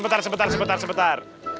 ya sudah sudah sebentar